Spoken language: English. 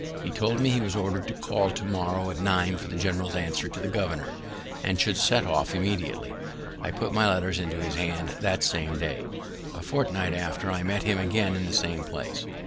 He told me he was order'd to call to morrow at nine for the general's answer to the governor, and should set off immediately. I put my letters into his hands the same day. A fortnight after I met him again in the same place.